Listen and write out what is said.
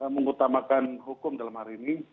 mengutamakan hukum dalam hari ini